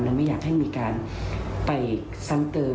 ไม่อยากให้มีการไปซ้ำเติม